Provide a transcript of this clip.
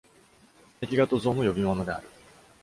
壁画と像も呼び物である。